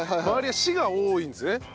周りは市が多いんですね。